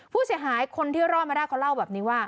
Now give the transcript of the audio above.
ผู้เสียหายคนที่รอดมาได้เขาเล่าแบบนี้ว่า